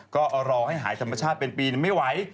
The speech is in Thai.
ก็รอให้หายธรรมชาติเป็นปีไม่ไหว